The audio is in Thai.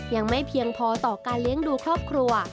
ยังไม่เพียงพอต่อการเลี้ยงดูครอบครัว